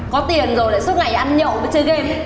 có tiền rồi lại suốt ngày ăn nhậu với chơi game